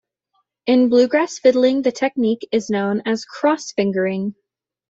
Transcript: In bluegrass fiddling the technique is known as "cross-fingering".